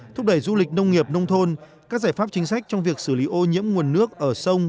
thúc đẩy du lịch nông nghiệp nông thôn các giải pháp chính sách trong việc xử lý ô nhiễm nguồn nước ở sông